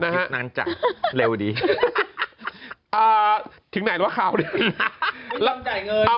จิตนั้นจังเร็วดีอ่าถึงไหนรู้ว่าเขาดีไม่ยอมจ่ายเงิน